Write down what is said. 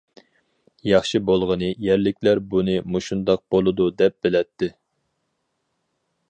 ياخشى بولغىنى يەرلىكلەر بۇنى مۇشۇنداق بولىدۇ دەپ بىلەتتى.